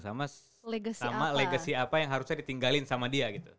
sama legacy apa yang harusnya ditinggalin sama dia gitu